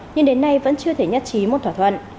nhưng đến nay vẫn chưa thể nhất trí một thỏa thuận